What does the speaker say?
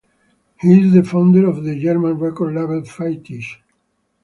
He is the founder of the German record label Faitiche.